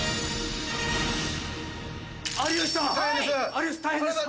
有吉さん！